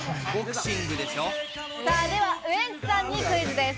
ではウエンツさんにクイズです。